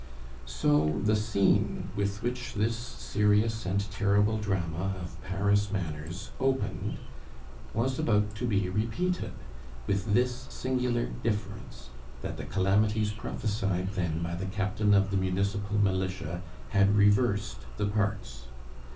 So the scene with which this serious and terrible drama of Paris manners opened was about to be repeated, with this singular difference that the calamities prophesied then by the captain of the municipal Militia had reversed the parts.